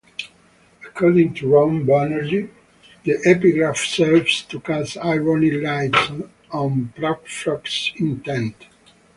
According to Ron Banerjee, the epigraph serves to cast ironic light on Prufrock's intent.